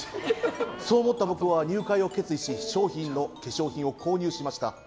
そう思った僕は入会を決意し商品の化粧品を購入しました。